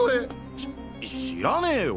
し知らねぇよ！